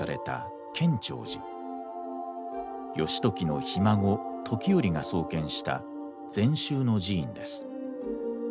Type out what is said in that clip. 義時のひ孫時頼が創建した禅宗の寺院です。